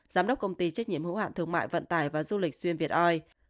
giám đốc công ty trách nhiệm hữu hạn thương mại vận tải và du lịch xuyên việt oi